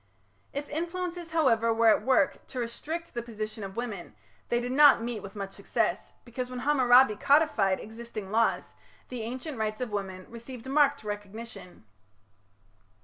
If influences, however, were at work to restrict the position of women they did not meet with much success, because when Hammurabi codified existing laws, the ancient rights of women received marked recognition.